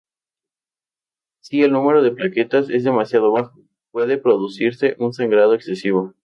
Si el número de plaquetas es demasiado bajo, puede producirse un sangrado excesivo.